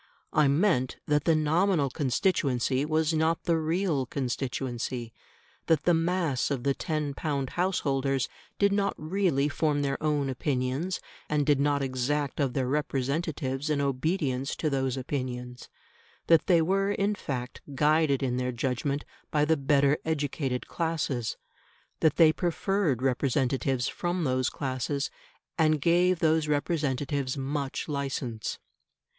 I meant that the nominal constituency was not the real constituency; that the mass of the "ten pound" house holders did not really form their own opinions, and did not exact of their representatives an obedience to those opinions; that they were in fact guided in their judgment by the better educated classes; that they preferred representatives from those classes, and gave those representatives much licence.